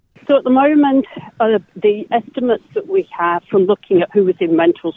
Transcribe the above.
jadi pada saat ini kondisi yang kita miliki dari melihat siapa yang berhubungan dengan stres mental